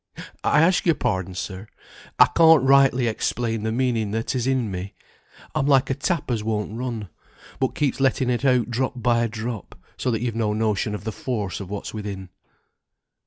I ask your pardon, sir; I can't rightly explain the meaning that is in me. I'm like a tap as won't run, but keeps letting it out drop by drop, so that you've no notion of the force of what's within."